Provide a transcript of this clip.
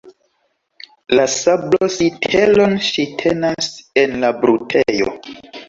La sablo-sitelon ŝi tenas en la brutejo.